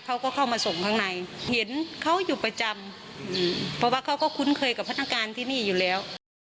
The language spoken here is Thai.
เขาก็เข้ามาส่งข้างในเห็นเขาอยู่ประจำเพราะว่าเขาก็คุ้นเคยกับพนักงานที่นี่อยู่แล้ว